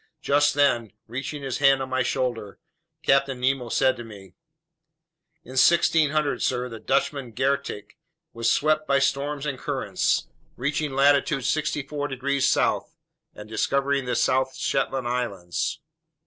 Just then, resting his hand on my shoulder, Captain Nemo said to me: "In 1600, sir, the Dutchman Gheritk was swept by storms and currents, reaching latitude 64 degrees south and discovering the South Shetland Islands.